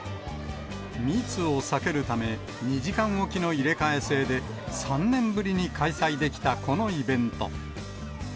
密を避けるため、２時間置きの入れ替え制で、３年ぶりに開催できたこのイベント。